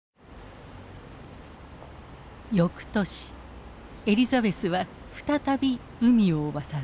翌年エリザベスは再び海を渡る。